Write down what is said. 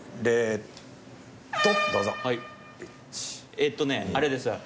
えっとねあれです。